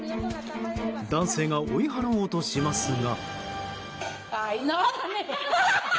男性が追い払おうとしますが。